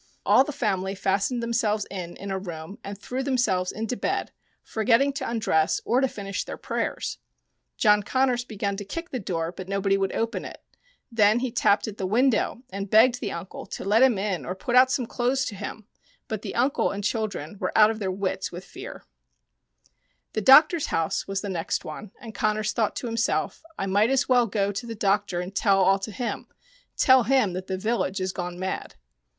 " All the family fastened themselves in in a room and threw themselves into bed, forgetting to undress or to finish their prayers. John Connors began to kick the door, but nobody would open it ; then he tapped at the window and begged the uncle to let him in or put out some clothes to him, but the uncle and children were out of their wits with fear. 14 Tales of the Fairies The doctor's house was the next one, and Connors thought to himself, " I might as well go to the doctor and tell all to him ; tell him that the village is gone mad."